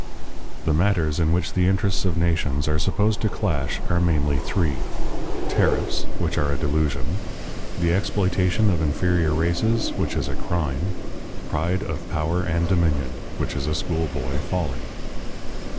The matters in which the interests of nations are supposed to clash are mainly three: tariffs, which are a delusion; the exploitation of inferior races, which is a crime; pride of power and dominion, which is a schoolboy folly.